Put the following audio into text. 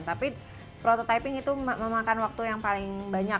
tapi prototyping itu memakan waktu yang paling banyak